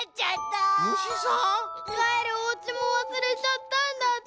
かえるおうちもわすれちゃったんだって。